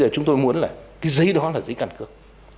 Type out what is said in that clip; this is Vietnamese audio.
chúng tôi muốn là cái giấy đó là giấy căn cước